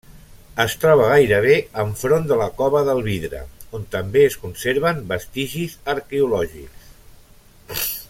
Es troba gairebé enfront de la cova del Vidre, on també es conserven vestigis arqueològics.